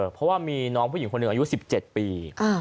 เพราะว่ามีน้องผู้หญิงคนหนึ่งอายุ๑๗ปี